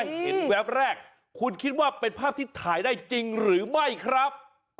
เห็นแวบแรกคุณคิดว่าเป็นภาพที่ถ่ายได้จริงหรือไม่ครับ